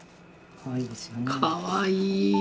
かわいい。